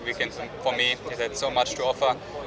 saya punya banyak yang harus saya tawarkan